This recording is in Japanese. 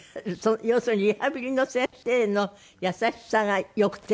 要するにリハビリの先生の優しさがよくて。